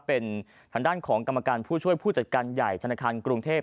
เป็นทางด้านของกรรมการผู้ช่วยผู้จัดการใหญ่ธนาคารกรุงเทพ